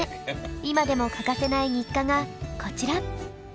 今でも欠かせない日課がこちら。